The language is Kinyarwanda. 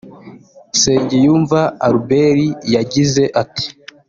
Nsengiyumva Albert yagize ati